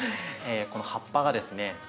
この葉っぱがですね